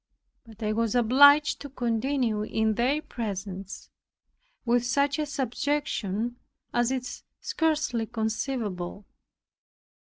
But I was obliged to continue in their presence, with such a subjection as is scarcely conceivable.